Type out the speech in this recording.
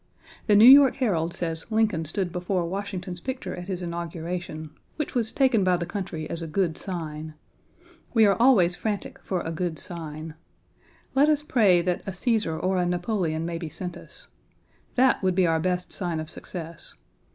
The New York Herald says Lincoln stood before Washington's picture at his inauguration, which was taken by the country as a good sign. We are always frantic for a good sign. Let us pray that a Cæsar or a Napoleon may be sent us. That would be our best sign of success.